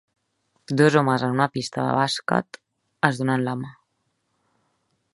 Dos homes en una pista de bàsquet es donen la mà